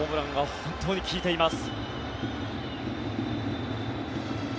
このホームランが本当に効いています。